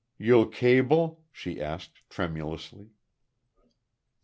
"You'll cable?" she asked, tremulously.